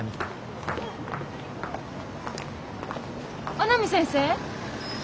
阿南先生？